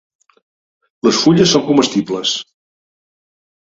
Les fulles són comestibles.